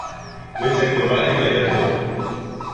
Welch ein gewaltiger Irrtum!